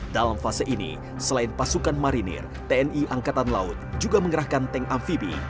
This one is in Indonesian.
dalam fase ini selain pasukan marinir tni angkatan laut juga mengerahkan tank amfibi